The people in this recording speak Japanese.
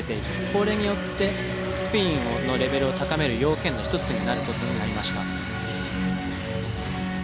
これによってスピンのレベルを高める要件の１つになる事になりました。